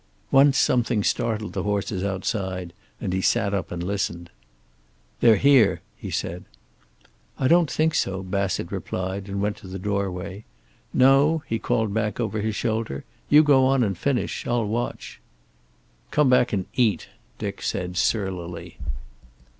Once something startled the horses outside, and he sat up and listened. "They're here!" he said. "I don't think so," Bassett replied, and went to the doorway. "No," he called back over his shoulder, "you go on and finish. I'll watch." "Come back and eat," Dick said surlily.